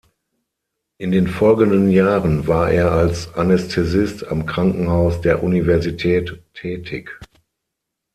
In den folgenden Jahren war er als Anästhesist am Krankenhaus der Universität tätig.